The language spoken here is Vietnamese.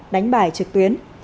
đánh bạc trực tuyến